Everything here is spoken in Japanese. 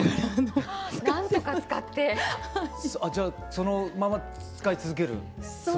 そのまま使い続けるつもり？